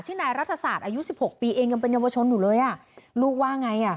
นายรัฐศาสตร์อายุสิบหกปีเองยังเป็นเยาวชนอยู่เลยอ่ะลูกว่าไงอ่ะ